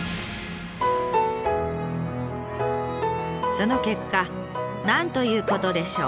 その結果なんということでしょう。